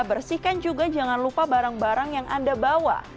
bersihkan juga jangan lupa barang barang yang anda bawa